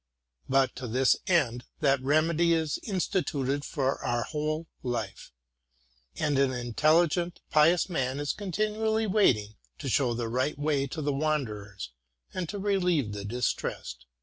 But, to this end, that remedy is instituted for our whole life ; and an intelligent, pious man is continually waiting to show the nght way to the wanderers, and to relieve the distressed.